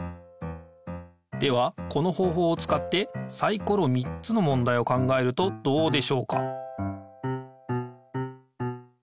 ではこの方ほうをつかってサイコロ３つのもんだいを考えるとどうでしょうか？